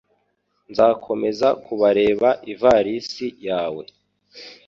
Nzakomeza kubareba ivalisi yawe.